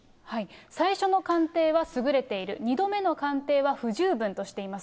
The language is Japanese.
最初の鑑定は優れている、２度目の鑑定は不十分としています。